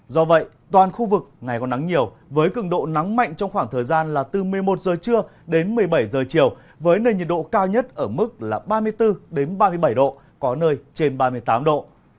do vậy toàn khu vực ngày còn nắng nhiều với cường độ nắng mạnh trong khoảng thời gian là từ một mươi một giờ trưa đến một mươi bảy h chiều với nền nhiệt độ cao nhất ở mức ba mươi bốn đến ba mươi bảy độ có nơi trên ba mươi tám độ